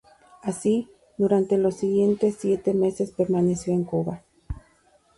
Así, durante los siguientes siete meses permaneció en Cuba.